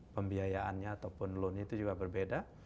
pembiayaannya ataupun loan itu juga berbeda